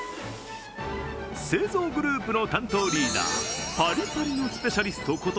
製造グループの担当リーダー、パリパリのスペシャリストこと